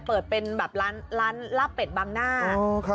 เปิดเป็นแบบร้านลาบเป็ดบางหน้า